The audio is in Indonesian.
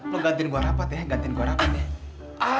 lo gantian gue rapat ya gantian gue rapat ya